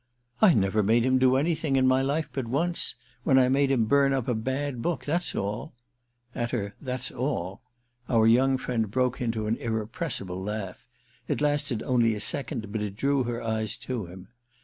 "I never made him do anything in my life but once—when I made him burn up a bad book. That's all!" At her "That's all!" our young friend broke into an irrepressible laugh; it lasted only a second, but it drew her eyes to him.